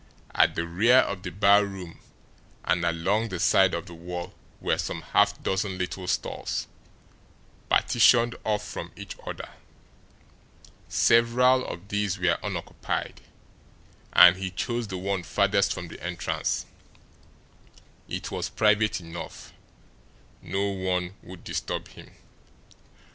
At the rear of the barroom and along the side of the wall were some half dozen little stalls, partitioned off from each other. Several of these were unoccupied, and he chose the one farthest from the entrance. It was private enough; no one would disturb him.